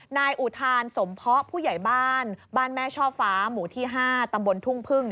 นายอุทานสมเพาะผู้ใหญ่บ้านบ้านแม่ช่อฟ้าหมู่ที่๕ตำบลทุ่งพึ่ง